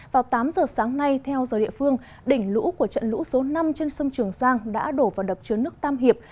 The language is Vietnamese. vào tám giờ sáng nay theo giờ địa phương đỉnh lũ của trận lũ số năm trên sông trường giang đã đổ vào đập chứa nước tam hiệp